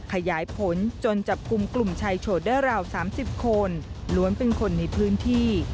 ขยายผลจนจับกลุ่มกลุ่มชายโฉดได้ราว๓๐คนล้วนเป็นคนในพื้นที่